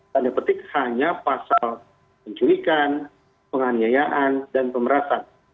tanda petik hanya pasal penculikan penganiayaan dan pemerasan